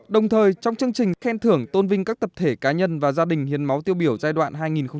đồng thời trong chương trình khen thưởng tôn vinh các tập thể cá nhân và gia đình hiến máu tiêu biểu giai đoạn hai nghìn một mươi hai nghìn hai mươi